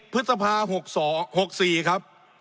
๑๑พฤษภาษณ์๖๔ครับ